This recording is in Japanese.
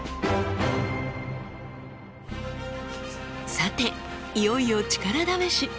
さていよいよ力試し。